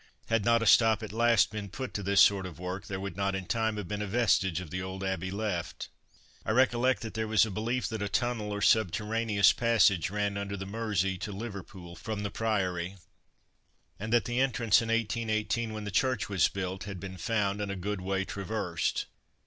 Had not a stop at last been put to this sort of work there would not in time have been a vestige of the old Abbey left. I recollect that there was a belief that a tunnel or subterraneous passage ran under the Mersey to Liverpool from the Priory, and that the entrance in 1818, when the church was built, had been found and a good way traversed.